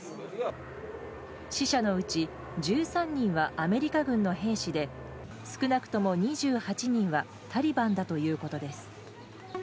死者のうち１３人はアメリカ軍の兵士で少なくとも２８人はタリバンだということです。